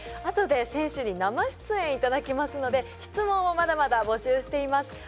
後で選手に生出演いただきますので質問をまだまだ募集しています。